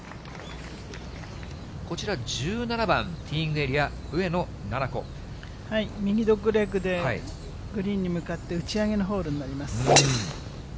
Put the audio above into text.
こちら、１７番、ティーイングエリア、右ドッグレッグで、グリーンに向かって、打ち上げのホールになります。